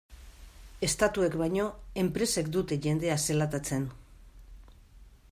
Estatuek baino, enpresek dute jendea zelatatzen.